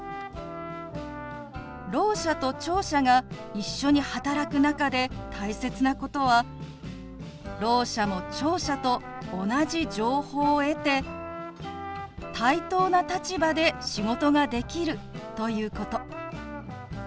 ろう者と聴者が一緒に働く中で大切なことはろう者も聴者と同じ情報を得て対等な立場で仕事ができるということ。